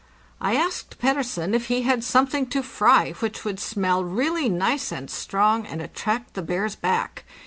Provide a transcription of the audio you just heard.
I asked Pettersen if he had something to fry which would smell really nice and strong and attract the bears back.